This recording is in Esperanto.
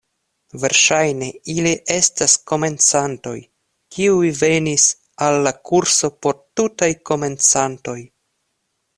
Verŝajne ili estas komencantoj, kiuj venis al la kurso por tutaj komencantoj.